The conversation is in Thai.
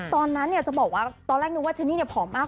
ตอนนั้นจะบอกว่าตอนแรกนึกว่าเจนนี่ผอมมาก